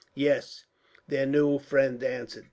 "Yes," their new friend answered.